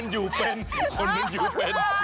อยู่เป็นคนมันอยู่เป็น